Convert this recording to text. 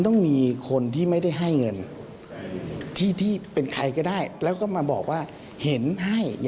ก็คือยังนี้ที่พี่ไปกัน๔คนนะฮะ